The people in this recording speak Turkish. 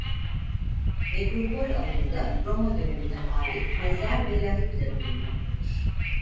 Nekropol alanında Roma dönemine ait mezar ve lahitle bulunmaktadır.